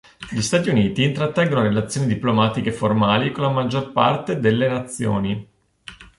Gli Stati Uniti intrattengono relazioni diplomatiche formali con la maggior parte delle nazioni.